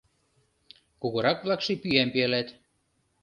Кугурак-влакше пӱям пӱялат.